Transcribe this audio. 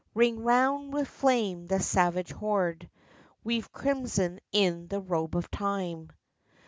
Ring round with flame the Savage Horde ! Weave crimson in the robe of Time